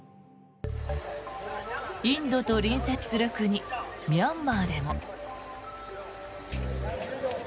インドと隣接する国ミャンマーでも。